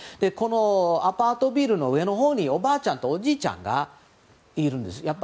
このアパートビルの上のほうにおばあちゃんとおじいちゃんがいるんです。